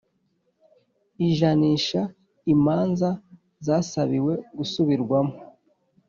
ijanisha imanza zasabiwe gusubirwamo